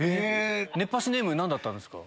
熱波師ネーム何だったんですか？